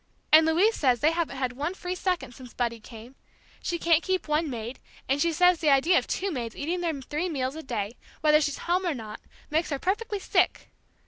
And Louise says they haven't had one free second since Buddy came. She can't keep one maid, and she says the idea of two maids eating their three meals a day, whether she's home or not, makes her perfectly sick!